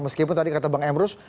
meskipun tadi kata bang emrus